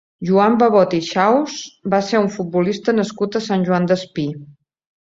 Joan Babot i Xaus va ser un futbolista nascut a Sant Joan Despí.